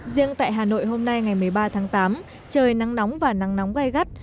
riêng tại hà nội hôm nay ngày một mươi ba tháng tám trời nắng nóng và nắng nóng gai gắt